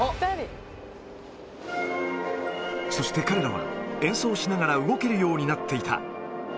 そして彼らは、演奏しながら動けるようになっていた。